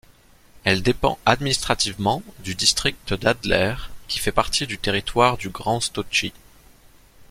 Elle dépend administrativement du district d'Adler qui fait partie du territoire du Grand-Sotchi.